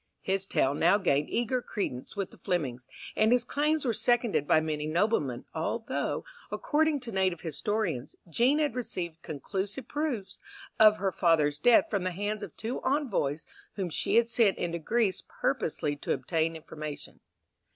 His tale now gained eager credence with the Flemings, and his claims were seconded by many noblemen, although, according to native historians, Jean had received conclusive proofs of her father's death from the hands of two envoys whom she had sent into Greece purposely to obtain information.